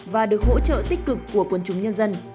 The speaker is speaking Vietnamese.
và được hỗ trợ tích cực của quân chúng nhân dân